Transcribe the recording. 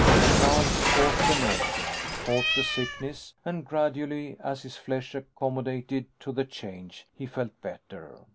But Lance fought the nausea, fought the sickness, and gradually as his flesh accommodated to the change, he felt better.